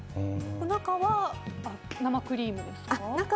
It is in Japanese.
中は生クリームですか？